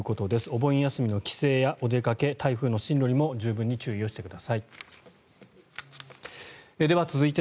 お盆休みの帰省やお出かけ台風の進路にも十分に注意してください。